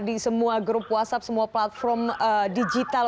di semua grup whatsapp semua platform digital